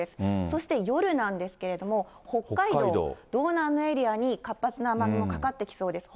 そして夜なんですけれども、北海道、道南のエリアに活発な雨雲かかってきそうです。